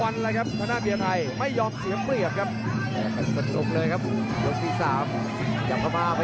แย่งออกมาเบียไทยเบียงเข้ามามีประธานลูกภาคขั้นข่ายไฟ